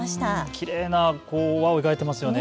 きれいな輪を描いていますよね。